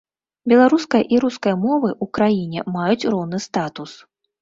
Беларуская і руская мовы ў краіне маюць роўны статус.